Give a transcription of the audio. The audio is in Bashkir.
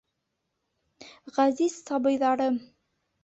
— Ғәзиз сабыйҙарым!